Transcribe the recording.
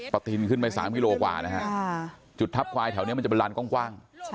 ประถิ่นขึ้นไปสามกิโลกว่านะฮะจุดทับควายแถวเนี้ยมันจะเป็นร้านก้องกว้าง